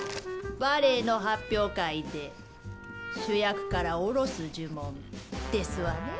「バレエの発表会で主役から降ろす呪文」ですわね？